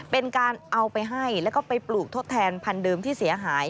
เป็นการเอาไปให้แล้วก็ไปปลูกทดแทนพันธุเดิมที่เสียหาย